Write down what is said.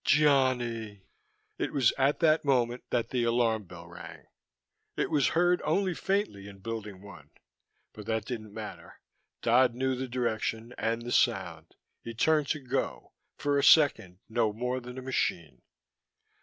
"Johnny " It was at that moment that the alarm bell rang. It was heard only faintly in Building One, but that didn't matter. Dodd knew the direction, and the sound. He turned to go, for a second no more than a machine.